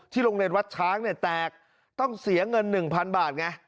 โรงเรียนวัดช้างเนี่ยแตกต้องเสียเงิน๑๐๐๐บาทไง